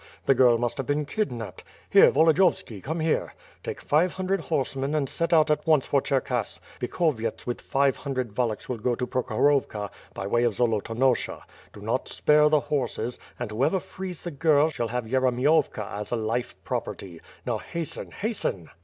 The girl must have been kidnapped. Here, Volodiyovski, come here! Take five hundred horse men and set out at once for Cherkass; Bikhovyets with five hundred Wallachs will go to Prokhorovka, by way of Zolo tonosha. Do not spare tMe horses; and whoever frees the girl, shall have Yeremiovka as a life property. Now hasten, hasten."